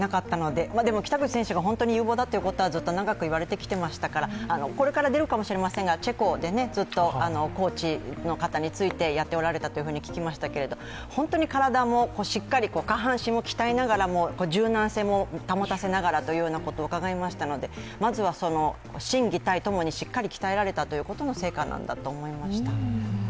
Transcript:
でも北口選手が有望だってことは長くいわれてきましたがこれから出るかもしれませんがチェコで、ずっとコーチの方についてやっておられたと聞きましたけど、本当に体もしっかり下半身を鍛えながらも柔軟性も保たせながらということも伺いましたので、まずは心技体ともにしっかり鍛えられたということも成果なんだと思いました。